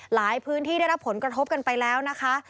พื้นที่ได้รับผลกระทบกันไปแล้วนะคะ